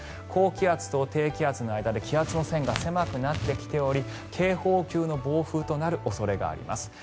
高気圧と低気圧の間で気圧の線が狭くなってきており警報級の暴風となる恐れがあります。